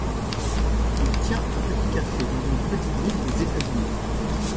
Il tient un petit café dans une petite ville des États-Unis.